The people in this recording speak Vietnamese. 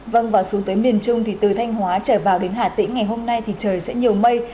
vâng và xuống tới miền trung thì từ thanh hóa trở vào đến hà tĩnh ngày hôm nay thì trời sẽ nhiều mây